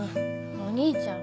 お兄ちゃん。